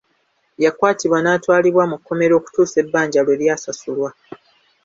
Yakwatibwa n'atwalibwa mu kkomera okutuusa ebbanja lwe lyasasulwa.